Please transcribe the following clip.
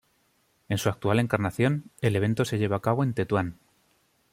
En su actual encarnación, el evento se lleva a cabo en Tetuán.